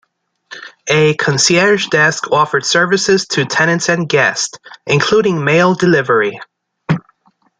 A concierge desk offered services to tenants and guests including mail delivery.